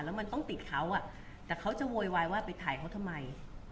แล้วมันต้องติดเขาอ่ะแต่เขาจะโวยวายว่าไปถ่ายเขาทำไม